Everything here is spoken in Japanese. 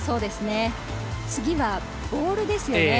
次はボールですよね。